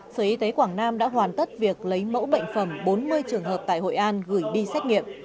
sở y tế quảng nam đã hoàn tất việc lấy mẫu bệnh phẩm bốn mươi trường hợp tại hội an gửi đi xét nghiệm